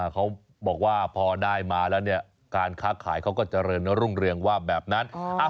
เขาบอกว่าพอได้มาแล้วเนี่ยการค้าขายเขาก็เจริญรุ่งเรืองว่าแบบนั้น